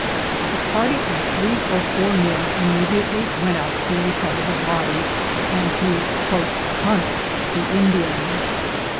A party of three or four men immediately went out to recover the body, and to "hunt" the Indians.